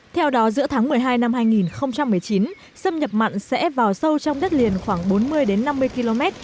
theo đó giữa tháng một mươi hai năm hai nghìn một mươi chín xâm nhập mặn sẽ vào sâu trong đất liền khoảng bốn mươi năm mươi km